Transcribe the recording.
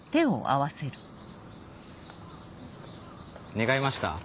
願いました？